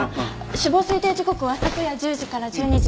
死亡推定時刻は昨夜１０時から１２時。